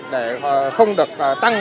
để không được tăng